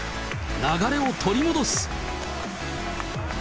流れを取り戻す。